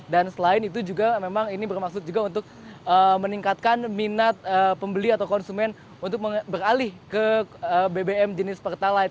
dan selain itu juga memang ini bermaksud untuk meningkatkan minat pembeli atau konsumen untuk beralih ke bbm jenis pertalite